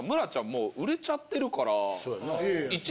もう売れちゃってるから。